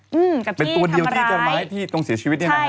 เหรอเป็นตัวเดียวกันไหมเป็นช้างป่าตัวเดียวกันเลย